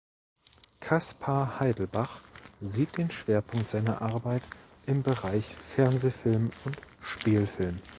Kaspar Heidelbach sieht den Schwerpunkt seiner Arbeit im Bereich Fernsehfilm und Spielfilm.